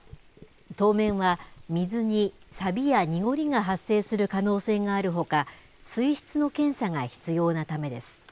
当面は、水にさびや濁りが発生する可能性があるほか、水質の検査が必要なためです。